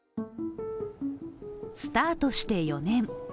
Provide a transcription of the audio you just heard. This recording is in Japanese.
スタートして４年。